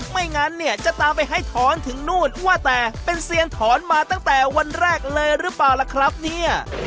ไม่งั้นเนี่ยจะตามไปให้ถอนถึงนู่นว่าแต่เป็นเซียนถอนมาตั้งแต่วันแรกเลยหรือเปล่าล่ะครับเนี่ย